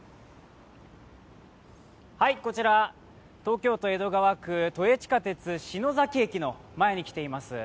こちら、東京都江戸川区、都営地下鉄・篠崎駅の前に来ています。